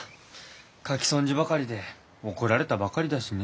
書き損じばかりで怒られたばかりだしね。